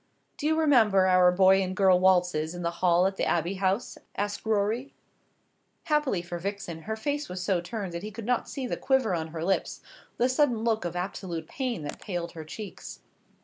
"Do you remember our boy and girl waltzes in the hall at the Abbey House?" asked Rorie. Happily for Vixen her face was so turned that he could not see the quiver on her lips, the sudden look of absolute pain that paled her cheeks.